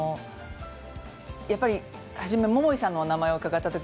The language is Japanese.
やっぱり、初め桃井さんの名前を伺った時